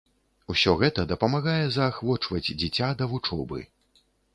Усё гэта дапамагае заахвочваць дзіця да вучобы.